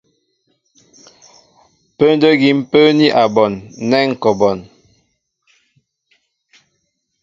Pə́ndə́ ígí ḿ pə́ə́ní a bon nɛ́ ŋ̀ kɔ a bon.